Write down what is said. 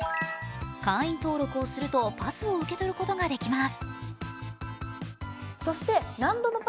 会員登録をするとパスを受け取ることができます。